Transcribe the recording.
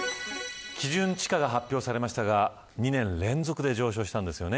基準地価が発表されましたが２年連続で上昇したんですよね